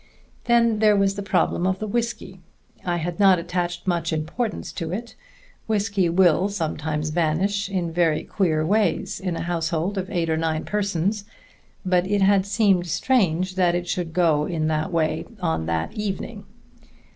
Then there was the problem of the whisky. I had not attached much importance to it; whisky will sometimes vanish in very queer ways in a household of eight or nine persons; but it had seemed strange that it should go in that way on that evening.